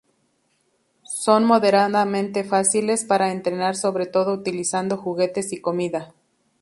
Son moderadamente fáciles para entrenar sobre todo utilizando juguetes y comida.